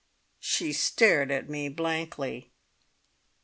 She stared at me blankly.